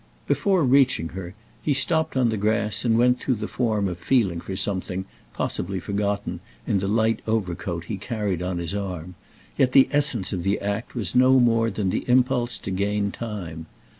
Before reaching her he stopped on the grass and went through the form of feeling for something, possibly forgotten, in the light overcoat he carried on his arm; yet the essence of the act was no more than the impulse to gain time.